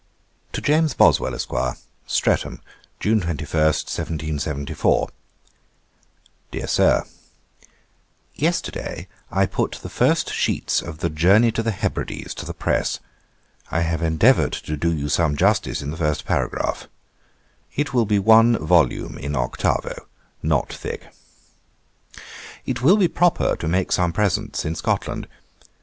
'To JAMES BOSWELL, ESQ. 'Streatham, June 21, 1774. 'DEAR SIR, 'Yesterday I put the first sheets of the Journey to the Hebrides to the press. I have endeavoured to do you some justice in the first paragraph. It will be one volume in octavo, not thick. 'It will be proper to make some presents in Scotland.